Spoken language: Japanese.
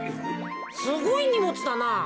すごいにもつだな。